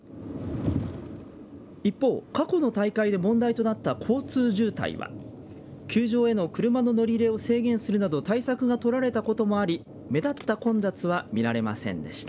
一方、過去の大会で問題となった交通渋滞は球場への車の乗り入れを制限するなど対策が取られたこともあり目立った混雑は見られませんでした。